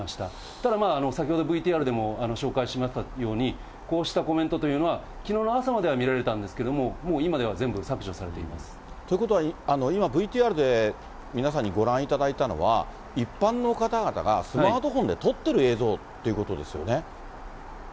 ただ、先ほどＶＴＲでも紹介しましたように、こうしたコメントというのは、きのうの朝までは見られたんですけれども、もう今では全部削除さということは、今ＶＴＲで皆さんにご覧いただいたのは、一般の方々がスマートフォンで撮ってる映像ということですよね。